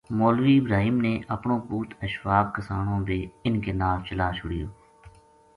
مولوی ابراہیم نے اپنو پُوت اشفاق کسانو بے اِنھ کے نال چلا چھُڑیو